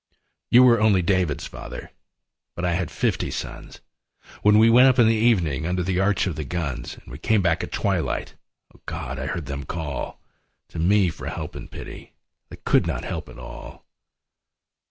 You were, only David's father, But I had fifty sons When we went up in the evening Under the arch of the guns, And we came back at twilight — O God ! I heard them call To me for help and pity That could not help at all.